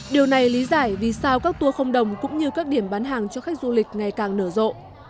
điều này lý giải vì sao các tour không đồng cũng như các điểm bán hàng cho khách du lịch ngày càng nở rộ